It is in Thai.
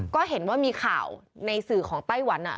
ก็เห็นว่ามีข่าวในสื่อของไต้หวัน